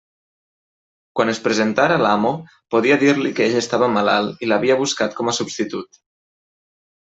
Quan es presentara l'amo, podia dir-li que ell estava malalt i l'havia buscat com a substitut.